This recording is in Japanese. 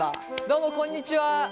どうもこんにちは。